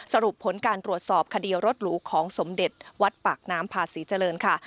สรุปผลการตรวจสอบคดีรถหรูของสมเด็จวัดปากน้ำพาศรีเจริญค่ะ